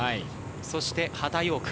そして波田陽区。